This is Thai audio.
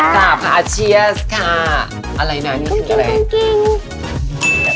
ใช่ค่ะอะไรนะนี่คืออะไรคุ้มกลิ้งคุ้มกลิ้ง